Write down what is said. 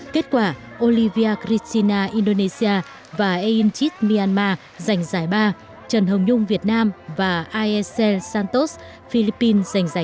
kết quả olivia cristina indonesia và aintit myanmar giành giải ba trần hồng nhung việt nam và aiesel santos philippines giành giải hai